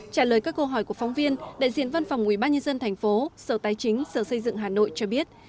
trả lời các câu hỏi của phóng viên đại diện văn phòng ubnd thành phố sở tái chính sở xây dựng hà nội cho biết